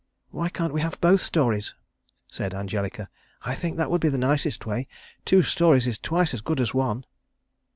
"Why can't we have both stories?" said Angelica. "I think that would be the nicest way. Two stories is twice as good as one."